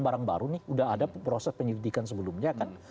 barang baru nih udah ada proses penyelidikan sebelumnya kan